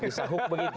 bisa hook begitu